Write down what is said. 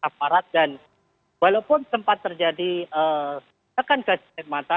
aparat dan walaupun tempat terjadi tekan gas mata